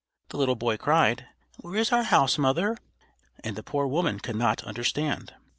The little boy cried, "Where is our house, mother?" and the poor woman could not understand.